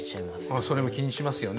あそれも気にしますよね